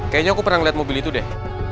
kayaknya aku pernah ngeliat mobil itu deh